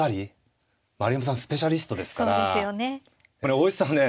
大石さんね